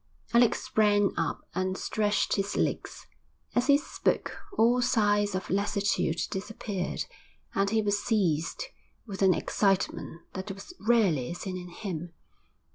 Alec sprang up and stretched his legs. As he spoke all signs of lassitude disappeared, and he was seized with an excitement that was rarely seen in him.